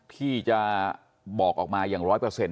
ที่จะบอกออกมาอย่าง๑๐๐